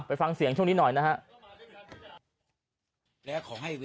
ฟังเสียงช่วงนี้หน่อยนะฮะ